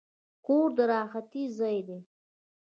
کور د راحتي ځای دی.